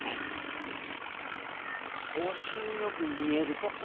星んよく見えるとこ？